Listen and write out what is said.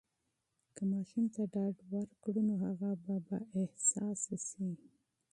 که ماشوم ته ډاډ ورکړو، نو هغه به بااحساسه سي.